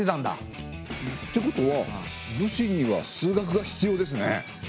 ってことは武士には数学が必要ですね。